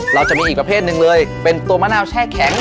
เราจะมีอีกประเภทหนึ่งเลยเป็นตัวมะนาวแช่แข็ง